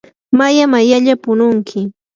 maya mayalla pununki.